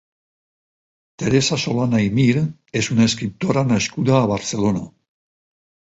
Teresa Solana i Mir és una escriptora nascuda a Barcelona.